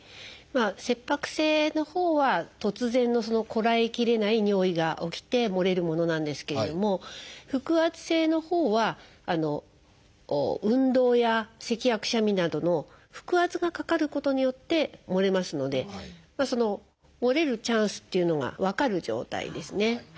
切迫性のほうは突然のこらえきれない尿意が起きてもれるものなんですけれども腹圧性のほうは運動やせきやくしゃみなどの腹圧がかかることによってもれますのでもれるチャンスというのが分かる状態ですね。